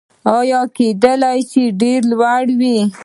یا کیدای شي ډیر لوی وي.